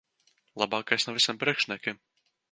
Labākais no visiem priekšniekiem.